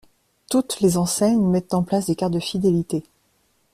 Toutes les enseignes mettent en place des cartes de fidélité.